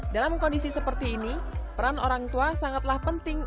dalam kondisi seperti ini peran orang tua sangatlah penting